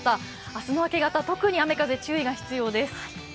明日の明け方、特に雨風に注意が必要です。